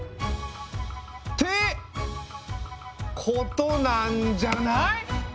ことなんじゃない？